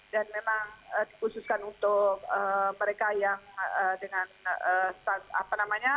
dan memang dikhususkan untuk mereka yang dengan apa namanya